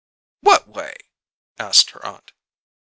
"What way?" asked her aunt.